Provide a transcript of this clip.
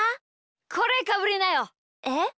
これかぶりなよ。えっ？